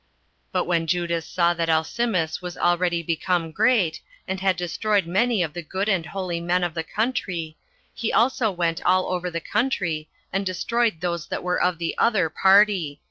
But when Judas saw that Alcimus was already become great, and had destroyed many of the good and holy men of the country, he also went all over the country, and destroyed those that were of the other party.